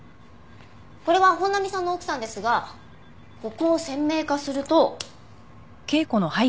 これは本並さんの奥さんですがここを鮮明化すると。